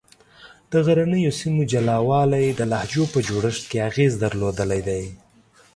د غرنیو سیمو جلا والي د لهجو په جوړښت کې اغېز درلودلی دی.